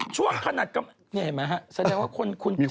ช่วงขนาดกำลังเห็นไหมฮะแสดงว่าคนคุณจิตจะ